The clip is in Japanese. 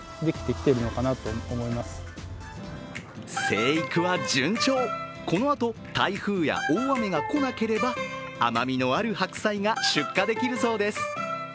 生育は順調、このあと台風や大雨が来なければ甘みのある白菜が出荷できるそうです。